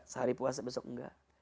sehari puasa besok enggak